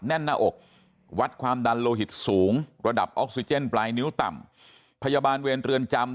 แน่นหน้าอกวัดความดันโลหิตสูงระดับออกซิเจนปลายนิ้วต่ำพยาบาลเวรเรือนจำ